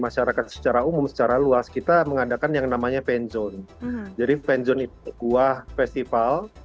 masyarakat secara umum secara luas kita mengadakan yang namanya penzone jadi penzone itu buah festival